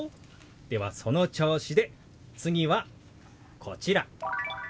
ではその調子で次はこちら。